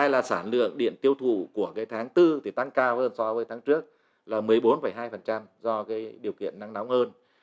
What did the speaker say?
hai là sản lượng điện tiêu thụ của cái tháng bốn thì tăng cao hơn so với tháng trước là một mươi bốn hai do cái điều kiện nắng nóng hơn